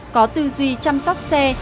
có tư duy chăm sóc xe